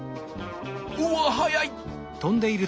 うわ速い！